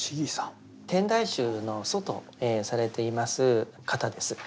天台宗の祖とされています方です。